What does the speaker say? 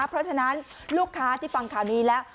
เพราะฉะนั้นลูกค้าที่ฟังข่าวนี้แล้ว